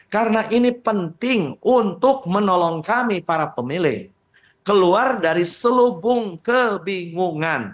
karena ini penting untuk menolong kami para pemilih keluar dari selubung kebingungan